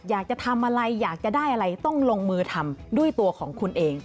อยากจะทำอะไรอยากจะได้อะไรต้องลงมือทำด้วยตัวของคุณเอง